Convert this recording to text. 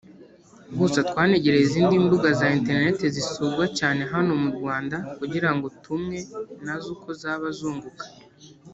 Gusa twanegereye izindi mbuga za internet zisurwa cyane hano mu Rwanda kugirango twumwe nazo uko zaba zunguka